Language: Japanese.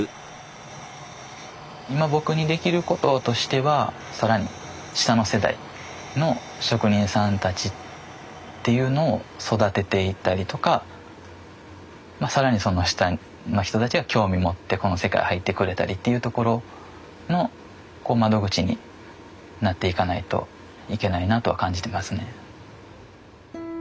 今僕にできることとしては更に下の世代の職人さんたちっていうのを育てていったりとか更にその下の人たちが興味持ってこの世界入ってくれたりっていうところの窓口になっていかないといけないなとは感じてますね。